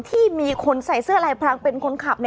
ที่มีคนใส่เสื้อไหล่ปรางเป็นคนขับเนี่ย